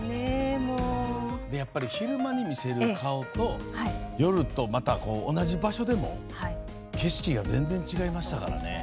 昼間に見せる顔と夜とまた同じ場所でも景色が全然、違いましたからね。